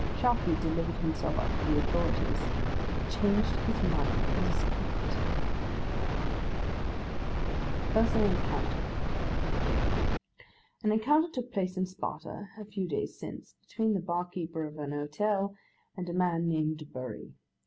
Sharkey delivered himself up to the authorities, but changed his mind and escaped!' 'Personal Encounter. 'An encounter took place in Sparta, a few days since, between the barkeeper of an hotel, and a man named Bury.